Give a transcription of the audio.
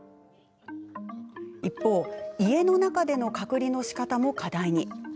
一方、家の中での隔離のしかたも課題に。